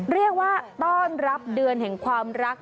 เรียกว่าต้อนรับเดือนแห่งความรัก